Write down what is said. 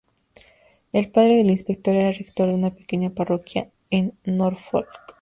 El padre del inspector era rector de una pequeña parroquia en Norfolk.